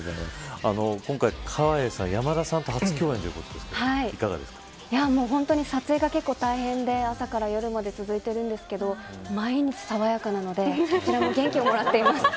今回川栄さん、山田さんと本当に撮影が結構大変で朝から夜まで続いてるんですけど毎日さわやかなので元気をもらっています。